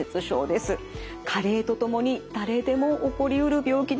加齢とともに誰でも起こりうる病気です。